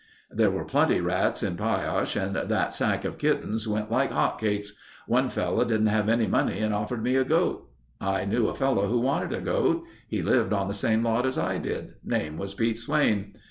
"There were plenty rats in Pioche and that sack of kittens went like hotcakes. One fellow didn't have any money and offered me a goat. I knew a fellow who wanted a goat. He lived on the same lot as I did. Name was Pete Swain.